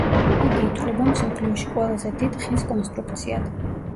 იგი ითვლება მსოფლიოში ყველაზე დიდ ხის კონსტრუქციად.